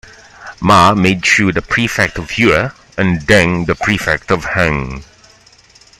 Ma made Xu the prefect of Yue and Deng the prefect of Heng.